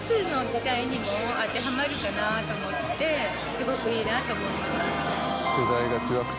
すごくいいなと思いますね